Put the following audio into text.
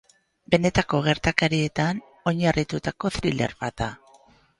Benetako gertakarietan oinarritutako thriller bat da.